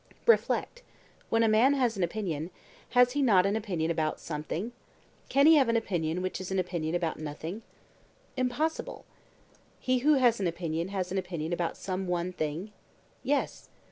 Reflect: when a man has an opinion, has he not an opinion about something? Can he have an opinion which is an opinion about nothing? Impossible. He who has an opinion has an opinion about some one thing? Yes.